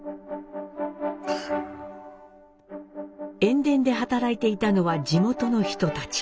塩田で働いていたのは地元の人たち。